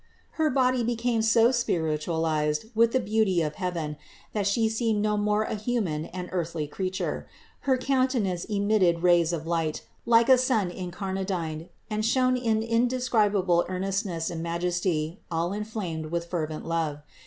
Her body became so spiritualized with the beauty of heaven that She seemed no more a human and earthly creature. Her countenance emitted rays of light, like a sun incarnadined, and shone in indescribable earnestness and majesty, all inflamed with fervent love.